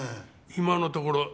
今のところ特段。